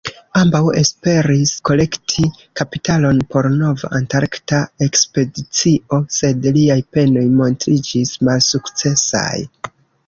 Ambaŭ esperis kolekti kapitalon por nova antarkta ekspedicio, sed liaj penoj montriĝis malsukcesaj.